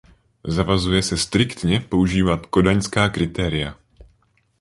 Zavazuje je striktně používat kodaňská kritéria.